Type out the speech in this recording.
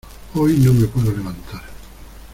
Hoy no me puedo levantar.